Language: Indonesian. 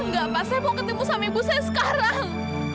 enggak pak saya mau ketemu sama ibu saya sekarang